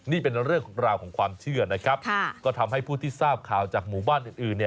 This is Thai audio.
นี่เป็นเรื่องราวของความเชื่อนะครับก็ทำให้ผู้ที่ทราบข่าวจากหมู่บ้านอื่น